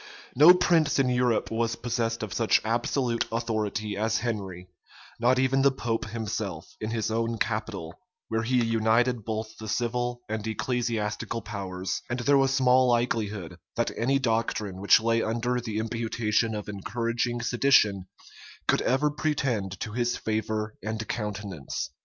* Sleidan, lib. iv. and v. No prince in Europe was possessed of such absolute authority as Henry, not even the pope himself, in his own capital, where he united both the civil and ecclesiastical powers; [*] and there was small likelihood, that any doctrine which lay under the imputation of encouraging sedition could ever pretend to his favor and countenance. * See note I, at the end of the volume.